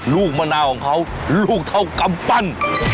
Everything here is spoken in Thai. ลูกมะนาวของเขาลูกเท่ากำปั้น